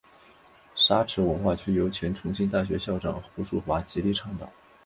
沙磁文化区由前重庆大学校长胡庶华极力倡导。